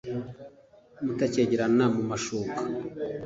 Mutakegerana mumashuka